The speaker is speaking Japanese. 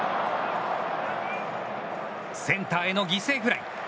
センターへの犠牲フライ。